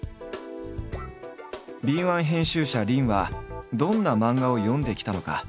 敏腕編集者林はどんな漫画を読んできたのか。